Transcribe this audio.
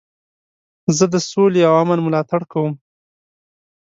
زه د سولي او امن ملاتړ کوم.